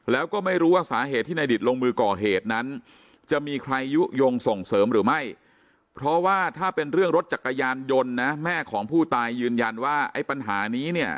แล้วก็ไม่รู้ว่าสาเหตุที่ในดิตลงมือก่อเหตุนั้น